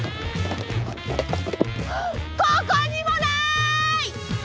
ここにもない！